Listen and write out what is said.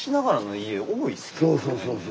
そうそうそうそう。